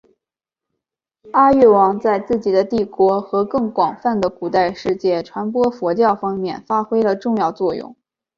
阿育王在自己的帝国和更广泛的古代世界传播佛教方面发挥了重要作用。